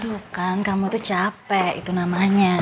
aduh kan kamu tuh capek itu namanya